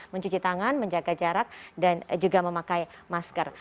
mencuci tangan menjaga jarak dan juga memakai masker